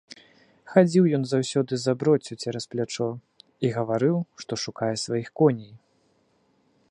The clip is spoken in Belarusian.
Хадзіў ён заўсёды з аброццю цераз плячо і гаварыў, што шукае сваіх коней.